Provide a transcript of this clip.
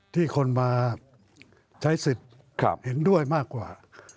ที่คนมาใช้สิทธิ์เห็นด้วยมากกว่า